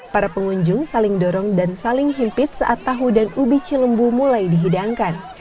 para pengunjung saling dorong dan saling himpit saat tahu dan ubi cilembu mulai dihidangkan